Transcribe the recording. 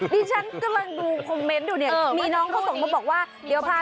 เนี่ยฉันกำลังดูคอมเม้นต์มีน้องเขาส่งมาบอกว่า